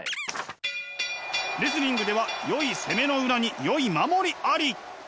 レスリングではよい攻めの裏によい守りあり！